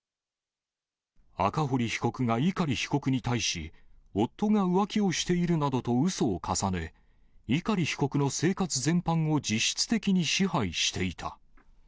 赤堀被告が碇被告に対し、夫が浮気をしているなどとうそを重ね、碇被告の生活全般を実質的に支配していた。